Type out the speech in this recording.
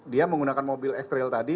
dia menggunakan mobil ekstril tadi